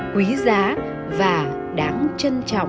quý giá và đáng trân trọng